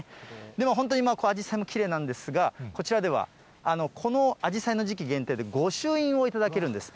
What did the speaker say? でも本当にあじさいもきれいなんですが、こちらでは、このあじさいの時期限定で御朱印を頂けるんです。